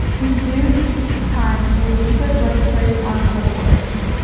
In due time a banquet was placed on the board.